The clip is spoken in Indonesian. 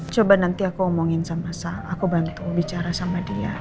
coba nanti aku omongin sama saya aku bantu bicara sama dia